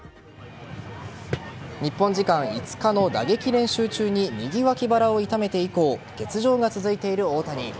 日本時間５日の打撃練習中に右脇腹を痛めて以降欠場が続いている大谷。